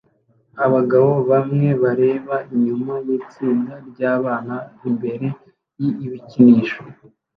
Abagabo bamwe bareba nyuma yitsinda ryabana imbere y Ibikinisho